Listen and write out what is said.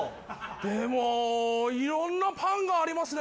でもいろんなパンがありますね。